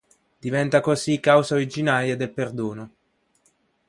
Diventa così causa originaria del perdono.